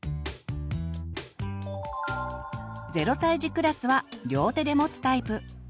０歳児クラスは両手でもつタイプ。